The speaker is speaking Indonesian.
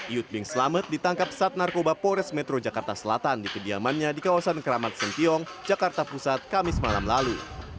yut bing selamet ditangkap saat narkoba pores metro jakarta selatan di kediamannya di kawasan keramat sentiong jakarta pusat kamis malam lalu